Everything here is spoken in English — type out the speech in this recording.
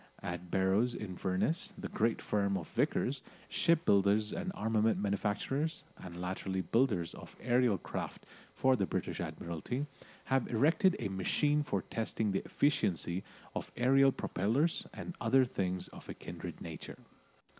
At Barrow in Furness the great firm of Vickers, shipbuilders and armament manufacturers, and latterly builders of aerial craft for the British Admiralty, have erected a machine for testing the efficiency of aerial propellers and other things of a kindred nature.